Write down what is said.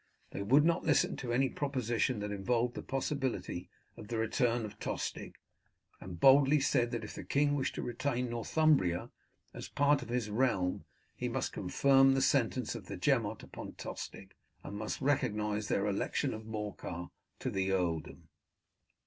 They would not listen to any proposition that involved the possibility of the return of Tostig, and boldly said that if the king wished to retain Northumbria as part of his realm he must confirm the sentence of their Gemot upon Tostig, and must recognize their election of Morcar to the earldom.